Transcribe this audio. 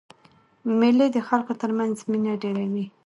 مېلې د خلکو تر منځ مینه ډېروي.